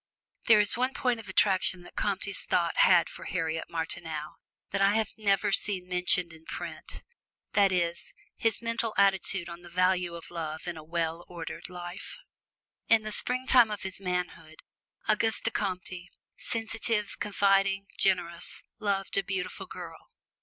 There is one point of attraction that Comte's thought had for Harriet Martineau that I have never seen mentioned in print that is, his mental attitude on the value of love in a well ordered life. In the springtime of his manhood, Auguste Comte, sensitive, confiding, generous, loved a beautiful girl.